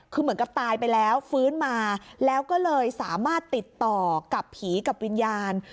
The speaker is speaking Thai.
คือเหมือนกับตายไปแล้วฟื้นมาแล้วก็เลยสามารถติดต่อกับผีกับวิญญาณ